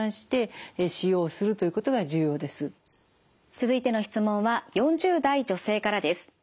続いての質問は４０代女性からです。